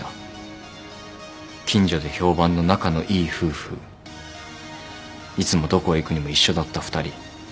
「近所で評判の仲のいい夫婦」「いつもどこへ行くにも一緒だった２人」